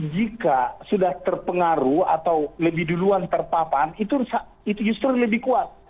jika sudah terpengaruh atau lebih duluan terpapar itu justru lebih kuat